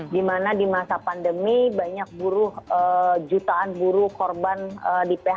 dimana di masa pandemi banyak buruh jutaan buruh korban di phk